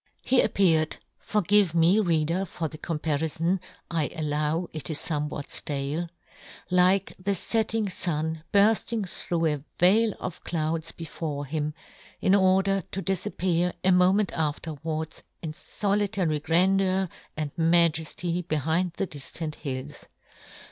He appeared — forgive me, Reader, for the com parifon, I allow it isfomewhat ftale^ — like the fetting fun burfling through a veil of clouds before him, in order to difappear, a moment afterwards, in folitary grandeur and majefty be hind the diftant hills.